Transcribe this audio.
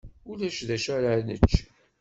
Ulac d acu ara nečč.